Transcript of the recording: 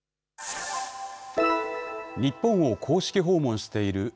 日本を公式訪問しているＮＡＴＯ